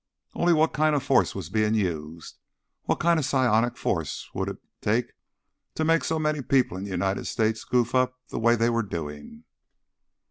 Only what kind of force was being used? What kind of psionic force would it take to make so many people in the United States goof up the way they were doing?